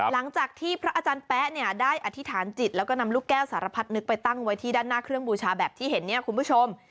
หลังจากที่พระอาจารย์แป๊ะเนี่ยได้อธิษฐานจิตแล้วก็นำลูกแก้วสารพัดนึกไปตั้งไว้ที่ด้านหน้าเครื่องบูชาแบบที่เห็นเนี่ยคุณผู้ชม